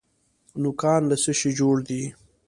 نوکان له څه شي جوړ دي؟